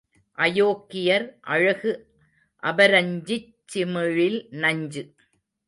அயோக்கியர் அழகு அபரஞ்சிச் சிமிழில் நஞ்சு.